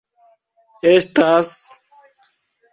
Estas...